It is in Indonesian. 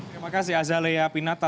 terima kasih azalea pinata